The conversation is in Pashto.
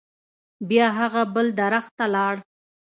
بیا هغه بل درخت ته لاړ.